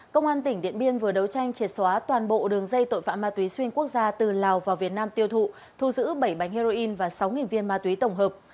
công an tỉnh điện biên vừa đấu tranh triệt xóa toàn bộ đường dây tội phạm ma túy xuyên quốc gia từ lào vào việt nam tiêu thụ thu giữ bảy bánh heroin và sáu viên ma túy tổng hợp